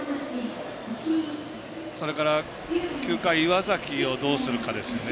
それから９回、岩崎をどうするかですね。